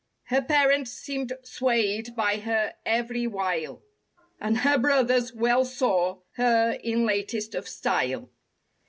Her parents seemed swayed by her every wile And her brothers well saw her in latest of style.